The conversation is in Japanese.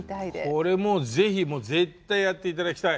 これもう是非もう絶対やって頂きたい。